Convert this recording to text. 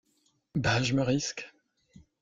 Bah! je me risque.